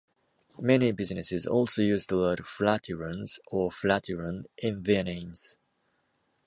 Many businesses also use the word "Flatirons" or "Flatiron" in their names.